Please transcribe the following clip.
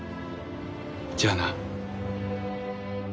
じゃあな。